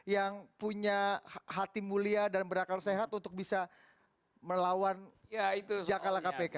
yang punya hati mulia dan berhakal sehat untuk bisa melawan sejak kalah kpk